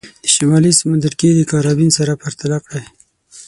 د شمالي سمندرګي د کارابین سره پرتله کړئ.